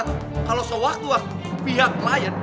kalau sewaktu waktu pihak lion